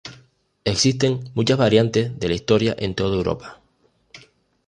Existen muchas variantes de la historia en toda Europa.